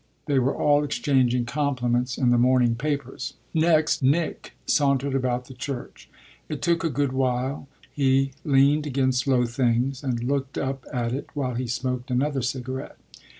They were all exchanging compliments in the morning papers. Nick sauntered about the church it took a good while; he leaned against low things and looked up at it while he smoked another cigarette.